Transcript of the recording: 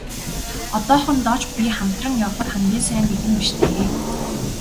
Одоохондоо ч би хамтран явахад хамгийн сайн нэгэн биш дээ.